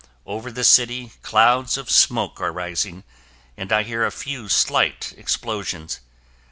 Over the city, clouds of smoke are rising and I hear a few slight explosions.